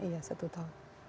iya satu tahun